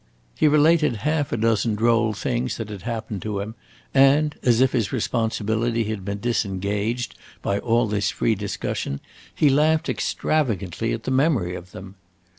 He related half a dozen droll things that had happened to him, and, as if his responsibility had been disengaged by all this free discussion, he laughed extravagantly at the memory of them.